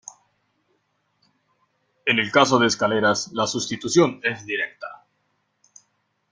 En el caso de escaleras la sustitución es directa.